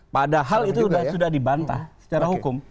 padahal itu sudah dibantah secara hukum